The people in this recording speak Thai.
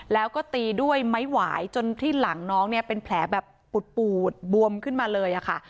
แล้วก็ตีด้วยไม้หวายจนที่หลังน้องเนี่ยเป็นแผลแบบปูดบวมขึ้นมาเลยค่ะ